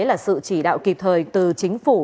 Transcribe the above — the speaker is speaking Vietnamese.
là sự chỉ đạo kịp thời từ chính phủ